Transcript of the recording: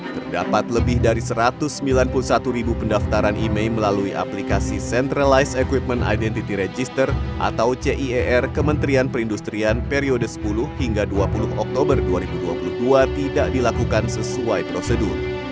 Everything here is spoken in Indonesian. terdapat lebih dari satu ratus sembilan puluh satu ribu pendaftaran email melalui aplikasi centralized equipment identity register atau cier kementerian perindustrian periode sepuluh hingga dua puluh oktober dua ribu dua puluh dua tidak dilakukan sesuai prosedur